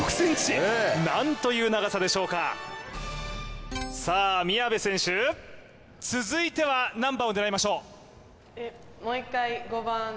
何という長さでしょうかさあ宮部選手続いては何番を狙いましょう？